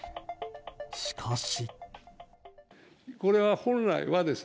しかし。